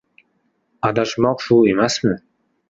Adashmoq shu emasmi?!